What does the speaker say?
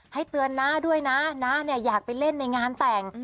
เตือนน้าด้วยนะน้าเนี่ยอยากไปเล่นในงานแต่ง